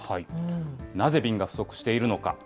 なぜ瓶が不足しているのか。